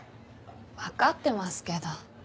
わかってますけど。